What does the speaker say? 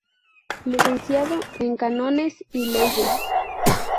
Licenciado en Cánones y Leyes.